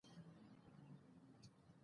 پړانګ خپل قلمرو ساتي.